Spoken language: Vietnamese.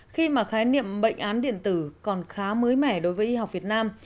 khi mà khái niệm bệnh án điện tử còn khá mới mẻ đối với y học việt nam